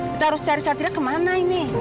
kita harus cari satria kemana ini